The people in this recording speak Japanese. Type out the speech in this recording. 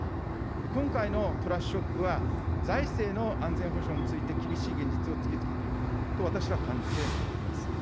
今回のトラスショックは、財政の安全保障について厳しい現実を突きつけたと私は感じています。